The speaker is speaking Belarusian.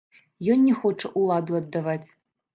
Ён не хоча ўладу аддаваць.